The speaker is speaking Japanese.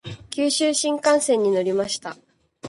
九州新幹線に乗りました。